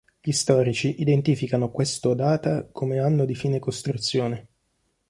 Gli storici identificano questo data come anno di fine costruzione.